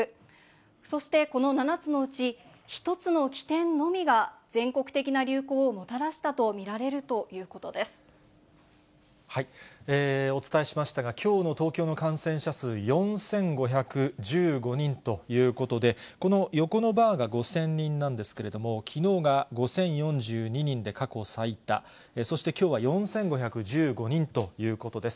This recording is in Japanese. そしてこの７つのうち、１つの起点のみが全国的な流行をもたらしたと見られるということお伝えしましたが、きょうの東京の感染者数、４５１５人ということで、この横のバーが５０００人なんですけれども、きのうが５０４２人で過去最多、そして、きょうは４５１５人ということです。